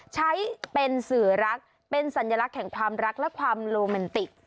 ใช้เป็นสื่อรักเป็นสัญลักษณ์แห่งความรักและความโรแมนติก